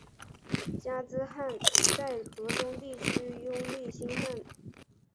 加兹罕在河中地区拥立新汗。